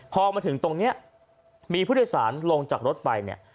พอมาถึงตรงนี้มีผู้โดยสารลงจากรถไปเนี่ย